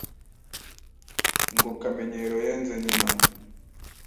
ngo kamenyero yenze nyina